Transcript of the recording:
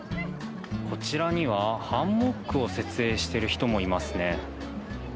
こちらにはハンモックを設営している人もいますね。